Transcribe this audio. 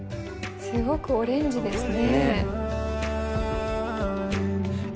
すごくオレンジですね。